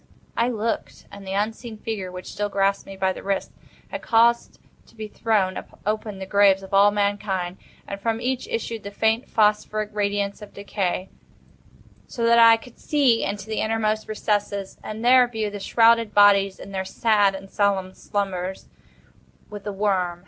I looked; and the unseen figure, which still grasped me by the wrist, had caused to be thrown open the graves of all mankind; and from each issued the faint phosphoric radiance of decay; so that I could see into the innermost recesses, and there view the shrouded bodies in their sad and solemn slumbers with the worm.